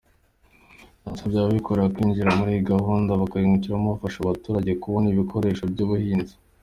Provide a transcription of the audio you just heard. Yanasabye abikorera kwinjira muri iyi gahunda bakayungukiramo, bafasha abaturage kubona ibikoresho by’ubuhinzi.